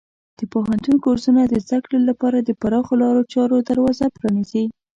د پوهنتون کورسونه د زده کړې لپاره د پراخو لارو چارو دروازه پرانیزي.